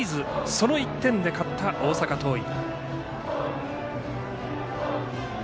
その１点で勝った大阪桐蔭。